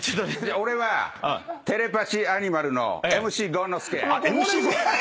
俺はテレパシーアニマルのＭＣごんのすけ。